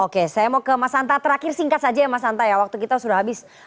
oke saya mau ke mas anta terakhir singkat saja ya mas anta ya waktu kita sudah habis